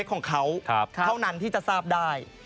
ของเขาเท่านั้นที่จะทราบได้